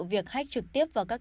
việc hách trực tiếp vào các hành vi